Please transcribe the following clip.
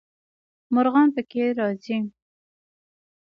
مرغان پکې راځي.